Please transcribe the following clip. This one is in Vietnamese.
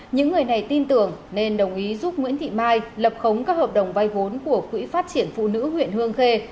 những người này tin tưởng nên đồng ý giúp nguyễn thị mai lập khống các hợp đồng vay vốn của quỹ phát triển phụ nữ huyện hương khê